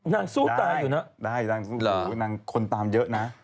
สู้ตายอยู่เนอะได้นางคนตามเยอะนะ